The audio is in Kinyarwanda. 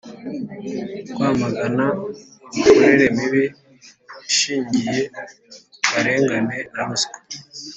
kwamagana imikorere mibi ishingiye ku karengane na ruswa.